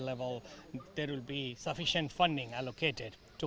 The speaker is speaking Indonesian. ada penyelenggaraan yang cukup untuk meneruskan ini